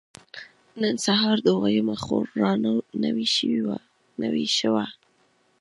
نن سهار دويمه خور را نوې شوه.